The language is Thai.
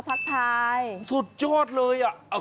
ทักทายสุดยอดเลยอ่ะ